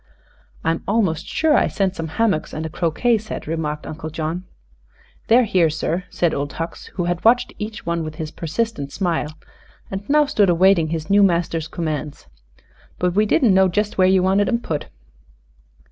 "I'm almost sure I sent some hammocks and a croquet set," remarked Uncle John. "They're here, sir," said Old Hucks, who had watched each one with his persistent smile and now stood awaiting his new master's commands. "But we didn't know jest where ye wanted 'em put."